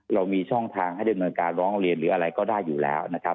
เรามีช่องทางให้ดำเนินการร้องเรียนหรืออะไรก็ได้อยู่แล้วนะครับ